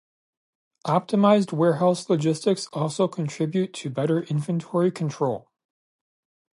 Optimized warehouse logistics also contribute to better inventory control.